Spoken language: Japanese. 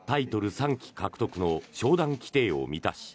３期獲得の昇段規定を満たし